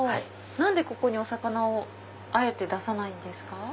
何でここにお魚をあえて出さないんですか？